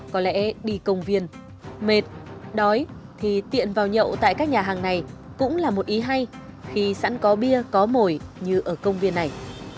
có lẽ đi công viên mệt đói thì tiện vào nhậu tại các nhà hàng này cũng là một ý hay khi sẵn có bia có mồi như ở công viên này